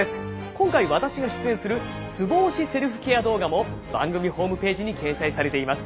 今回私が出演するツボ押しセルフケア動画も番組ホームページに掲載されています。